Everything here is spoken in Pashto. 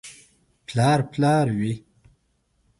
• پلار پلار وي.